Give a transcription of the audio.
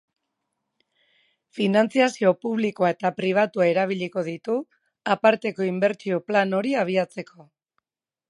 Finantziazio publikoa eta pribatua erabiliko ditu aparteko inbertsio plan hori abiatzeko.